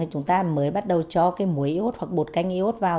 thì chúng ta mới bắt đầu cho cái muối y ốt hoặc bột canh y ốt vào